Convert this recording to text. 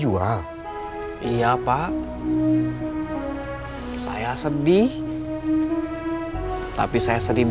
udah di ambil